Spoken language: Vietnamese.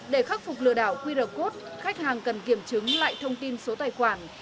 để khắc phục lừa đảo qr code khách hàng cần kiểm chứng lại thông tin số tài khoản